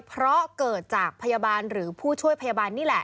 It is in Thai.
เพราะเกิดจากพยาบาลหรือผู้ช่วยพยาบาลนี่แหละ